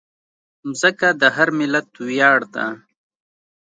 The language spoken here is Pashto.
مځکه د هر ملت ویاړ ده.